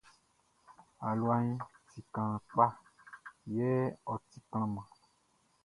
Aluaʼn ti kaan kpa yɛ ɔ ti klanman.